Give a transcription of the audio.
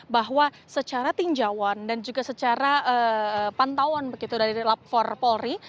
bahwa secara tinjauan dan juga secara pantauan begitu dari lapor polri